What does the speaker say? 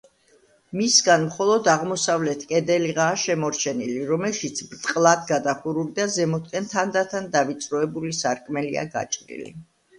მისგან მხოლოდ აღმოსავლეთ კედელიღაა შემორჩენილი, რომელშიც ბრტყლად გადახურული და ზემოთკენ თანდათან დავიწროებული სარკმელია გაჭრილი.